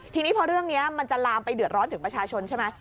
ทีนี้พอเรื่องนี้มันจะลามไปเดือดร้อนถึงประชาชนใช่ไหม